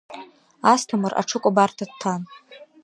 Асҭамыр аҽыкәабарҭа дҭан.